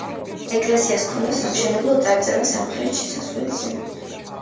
ეკლესიას ჰქონდა სამშენებლო წარწერა სამხრეთ შესასვლელის ზემოთ.